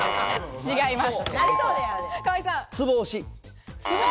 違います。